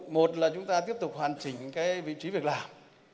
một là chúng ta tiếp tục hoàn chỉnh vị trí việc làm